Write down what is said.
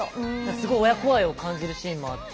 すごい親子愛を感じるシーンもあって。